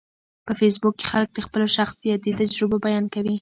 په فېسبوک کې خلک د خپلو شخصیتي تجربو بیان کوي